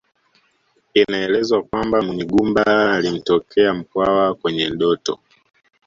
Inaelezwa kwamba Munyigumba alimtokea Mkwawa kwenye ndoto